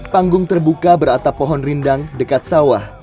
panggung terbuka beratap pohon rindang dekat sawah